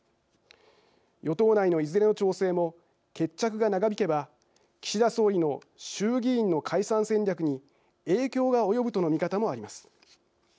与党内のいずれの調整も決着が長引けば岸田総理の衆議院の解散戦略に影響が及ぶとの見方もあります。